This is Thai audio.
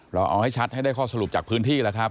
ไม่ชัดให้ได้ข้อสรุปจากพื้นที่แหละครับ